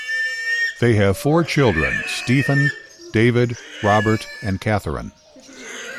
They have four children Stephen, David, Robert and Catherine.